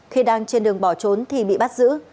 khi đang trên đường bỏ trốn thì bị bắt giữ